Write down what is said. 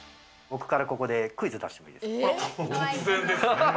僕からここでクイズ出してもいいですか？